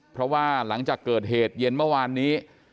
เพราะว่าหลังจากเกิดเหตุเย็นเมื่อวานนี้